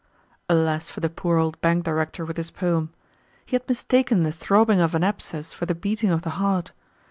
Alas for the poor old bank director with his poem! He had mistaken the throbbing of an abscess for the beating of the heart.